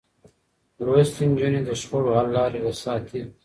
لوستې نجونې د شخړو حل لارې ساتي.